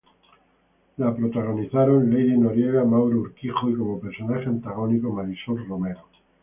La protagonizaron Lady Noriega, Mauro Urquijo y como personaje antagónico Marisol Romero.